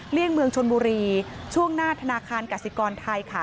เลี่ยงเมืองชนบุรีช่วงหน้าธนาคารกสิกรไทยค่ะ